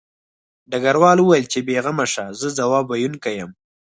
ډګروال وویل چې بې غمه شه زه ځواب ویونکی یم